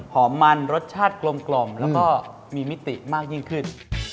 หอมมันรสชาติกลมแล้วก็มีมิติมากยิ่งขึ้น